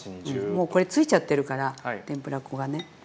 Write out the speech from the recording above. もうこれついちゃってるからてんぷら粉がね。